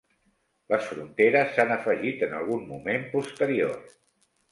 Les fronteres s'han afegit en algun moment posterior.